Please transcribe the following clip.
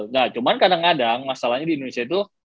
nah cuman kadang kadang masalahnya di indonesia itu